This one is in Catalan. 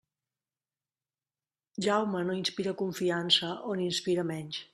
Jaume no inspira confiança o n'inspira menys.